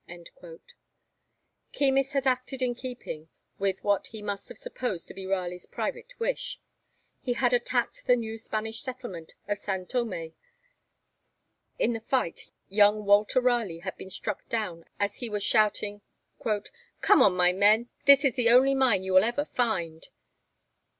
Keymis had acted in keeping with what he must have supposed to be Raleigh's private wish; he had attacked the new Spanish settlement of San Thomé. In the fight young Walter Raleigh had been struck down as he was shouting 'Come on, my men! This is the only mine you will ever find.'